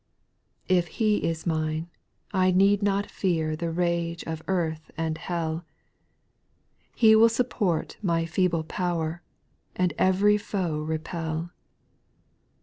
If He is mine, I need not fear The rage of earth and hell ; He will support my feeble power, And every foe repel.